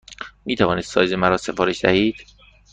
می توانید سایز مرا سفارش دهید؟